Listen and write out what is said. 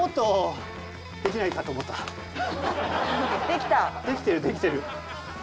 できてるできてる。